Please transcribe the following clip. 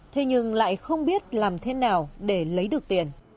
thế nhưng lại không biết làm thế nào để lấy được tiền